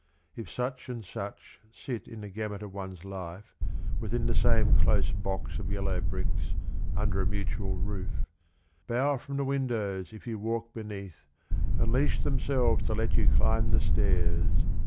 If such and such sit in the gamut of one's life Within the same close box of yellow bricks, Under a mutual roof ; Bow from the windows if you walk beneath And leash themselves to let you climb the stairs.